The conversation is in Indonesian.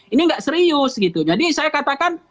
ini nggak serius gitu jadi saya katakan